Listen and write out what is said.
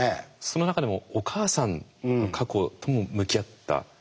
その中でもお母さんの過去とも向き合った。